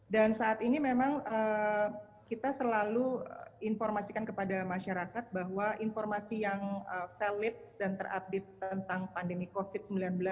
dan saat ini memang kita selalu informasikan kepada masyarakat bahwa informasi yang valid dan terupdate tentang pandemi covid sembilan belas